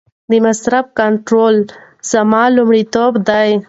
د مصرف کنټرول زما لومړیتوب دی.